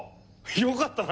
よかったな！